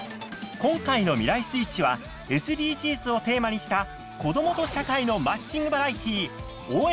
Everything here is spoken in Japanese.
今回の「未来スイッチ」はＳＤＧｓをテーマにした子どもと社会のマッチングバラエティー「応援！